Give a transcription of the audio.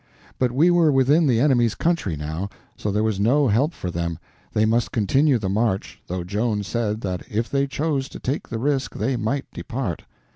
But we were within the enemy's country now, so there was no help for them, they must continue the march, though Joan said that if they chose to take the risk they might depart.